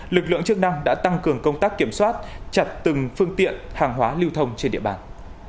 lực lượng chức năng đã tăng cường công tác kiểm soát chặt từng phương tiện hàng hóa lưu thông trên địa bàn